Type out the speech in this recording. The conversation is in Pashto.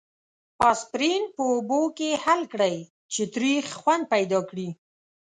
اسپرین په اوبو کې حل کړئ چې تریخ خوند پیدا کړي.